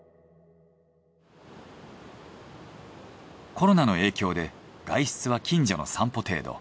コロナの影響で外出は近所の散歩程度。